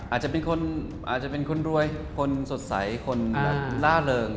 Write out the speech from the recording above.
อาจจะเป็นคนรวยคนสดใสคนล่าเริง